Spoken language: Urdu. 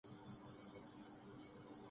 ہدایت کردی ہے